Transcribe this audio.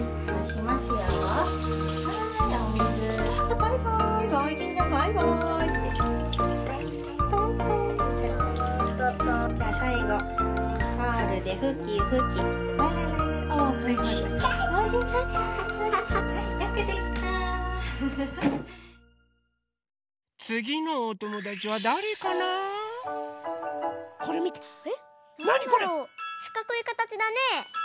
しかくいかたちだね。